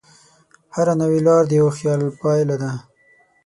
هره نوې لار د یوه خیال پایله ده.